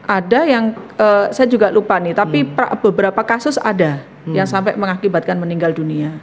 ada yang saya juga lupa nih tapi beberapa kasus ada yang sampai mengakibatkan meninggal dunia